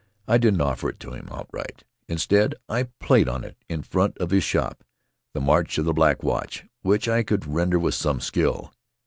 I didn't offer it to him outright. Instead, I played on it, in front of his shop, "The March of the Black Watch," which I could render with some skill.